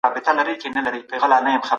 خلکو وویل چي روحانیون ډېر د درناوي وړ دي.